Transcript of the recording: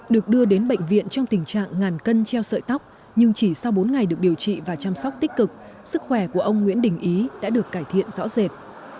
được đưa đến bệnh viện trong tình trạng ngàn cân treo sợi tóc nhưng chỉ sau bốn ngày được điều trị và chăm sóc tích cực sức khỏe của ông nguyễn đình ý đã được cải thiện rõ rệt